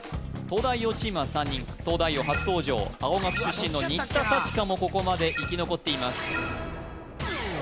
東大王チームは３人「東大王」初登場青学出身の新田さちかもここまで生き残っています